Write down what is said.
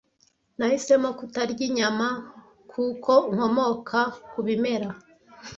Nahisemo kutarya inyama kuko nkomoka ku bimera.